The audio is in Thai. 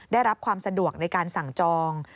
ได้รับความสะดวกในการสั่งจอง